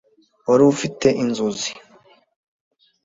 wari ufite inzozi